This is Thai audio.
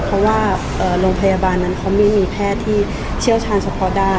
เพราะว่าโรงพยาบาลนั้นเขาไม่มีแพทย์ที่เชี่ยวชาญเฉพาะด้าน